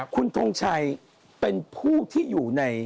คุณทงชัยเป็นผู้ที่อยู่ใน